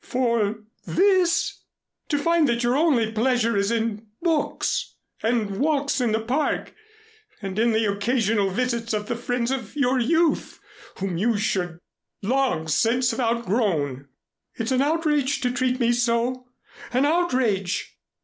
For this? To find that your only pleasure is in books and walks in the Park and in the occasional visits of the friends of your youth whom you should long since have outgrown? It's an outrage to treat me so an outrage!"